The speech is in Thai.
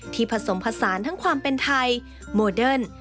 ที่ผสมภาษาทั้งความเป็นไทยโมเดิร์น